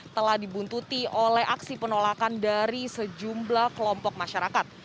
telah dibuntuti oleh aksi penolakan dari sejumlah kelompok masyarakat